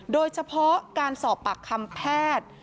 โดยเฉพาะการสอบปากคำแพทย์